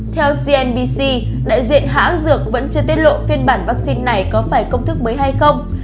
theo cnbc đại diện hãng dược vẫn chưa tiết lộ phiên bản vaccine này có phải công thức mới hay không